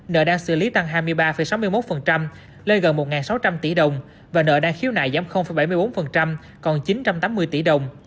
nợ đang xử lý tăng hai mươi ba sáu mươi một lên gần một sáu trăm linh tỷ đồng và nợ đang khiếu nại giảm bảy mươi bốn còn chín trăm tám mươi tỷ đồng